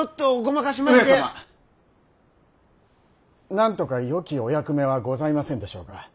なんとかよきお役目はございませんでしょうか。